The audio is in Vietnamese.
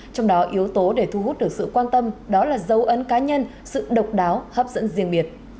trong đó yếu tố để thu hút được sự quan tâm đó là dấu ấn cá nhân sự độc đáo hấp dẫn riêng biệt